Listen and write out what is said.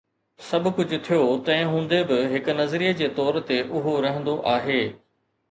سڀ ڪجهه ٿيو، تنهن هوندي به، هڪ نظريي جي طور تي اهو رهندو آهي